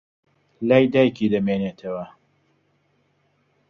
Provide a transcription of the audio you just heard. لای دایکی دەمێنێتەوە.